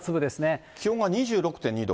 気温は２６．２度。